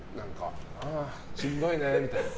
ああしんどいね、みたいな。